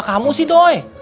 kamu sih doi